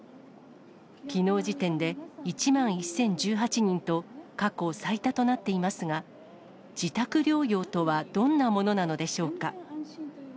きのう時点で、１万１０１８人と過去最多となっていますが、自宅療養とはどんなものなのでしょうか。